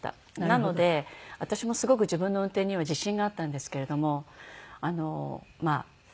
なので私もすごく自分の運転には自信があったんですけれどもあのまあ